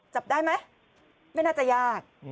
จับได้ไหมไม่น่าจะยาก